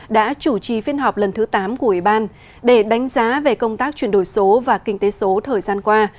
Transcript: đã chủ trì phiên họp lần thứ tám của ủy ban để đánh giá về công tác chuyển đổi số và kinh tế số thời gian qua